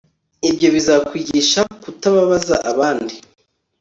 Ibyo bizakwigisha kutababaza abandi